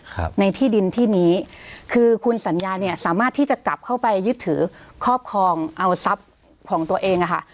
ครับในที่ดินที่นี้คือคุณสัญญาเนี่ยสามารถที่จะกลับเข้าไปยึดถือครอบครองเอาทรัพย์ของตัวเองอ่ะค่ะ